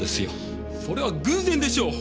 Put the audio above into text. それは偶然でしょう！